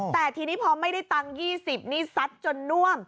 แต่ทีนี้พอไม่ได้ตังค์๒๐นี่ซัดจนน่วม